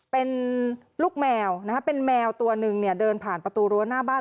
เป็นลูกแมวเป็นแมวตัวนึงเดินผ่านประตูรัวหน้าบ้าน